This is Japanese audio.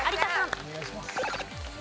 お願いします。